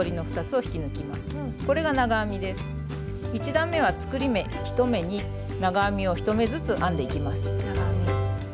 １段めは作り目１目に長編みを１目ずつ編んでいきます。